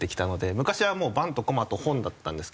昔は盤と駒と本だったんですけど。